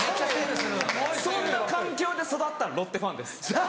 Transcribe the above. そんな環境で育ったロッテファンです。